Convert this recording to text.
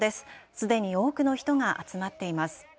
すでに多くの人が集まっています。